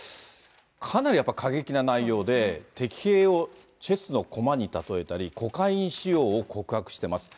かなりやっぱり過激な内容で、敵兵をチェスの駒に例えたり、コカイン使用を告白しています。